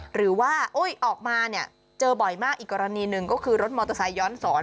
หรือว่าออกมาเนี่ยเจอบ่อยมากอีกกรณีหนึ่งก็คือรถมอเตอร์ไซคย้อนสอน